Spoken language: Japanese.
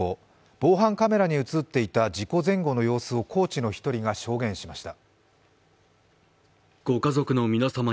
防犯カメラに映っていた事故前後の様子をコーチの１人が証言しました。